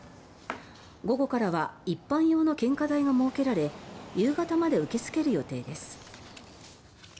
午後からは一般用の献花台が設けられ夕方まで受け付ける予定です。